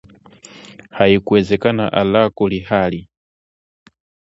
Haikuwezekana alaa kulihali